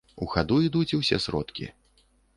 У хаду ідуць усе сродкі.